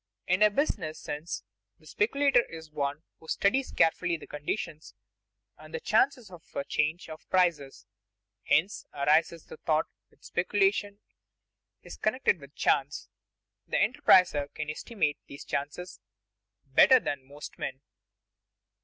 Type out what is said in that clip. In a business sense the speculator is one who studies carefully the conditions and the chances of a change of prices; hence arises the thought that speculation is connected with chance. The enterpriser can estimate these chances better than most men.